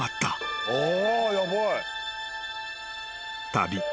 ［旅。